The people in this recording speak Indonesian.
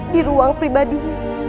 di ruang pribadinya